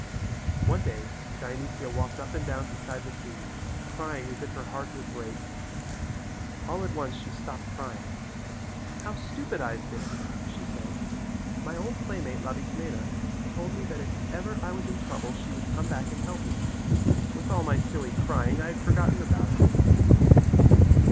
One day Dionysia walked up and down beside the sea, crying as if her heart would break. All at once she stopped crying. "How stupid I have been," she said. "My old playmate Labismena told me that if ever I was in trouble she would come back and help me. With all my silly crying I had forgotten about it."